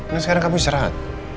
nih sekarang kamu bisa rahat